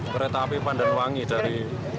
kereta api pandanwangi dari